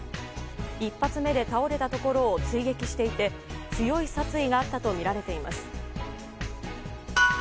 １発目で倒れたところを追撃していて強い殺意があったとみられています。